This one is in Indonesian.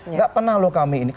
nggak pernah loh kami ini